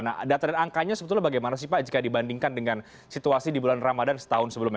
nah data dan angkanya sebetulnya bagaimana sih pak jika dibandingkan dengan situasi di bulan ramadhan setahun sebelumnya